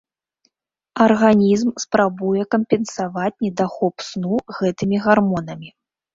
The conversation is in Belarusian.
Арганізм спрабуе кампенсаваць недахоп сну гэтымі гармонамі.